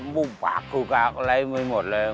มุ่งปากหุมแกล็กอะไรไม่มีหมดเลย